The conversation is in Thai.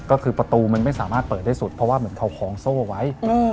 ก็คือประตูมันไม่สามารถเปิดได้สุดเพราะว่าเหมือนเขาคล้องโซ่ไว้